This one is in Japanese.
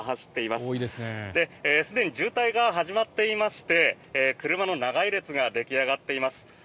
すでに渋滞が始まっていまして車の長い列が出来上がっています。